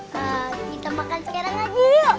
kita makan sekarang aja yuk